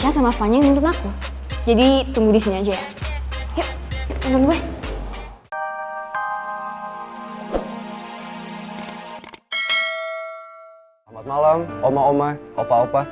selamat malam oma oma opa opa